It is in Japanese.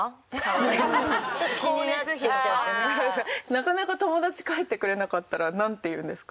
なかなか友達帰ってくれなかったらなんて言うんですか？